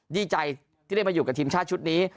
ดีใจที่ได้มาอยู่กับทีมชาติชุดนี้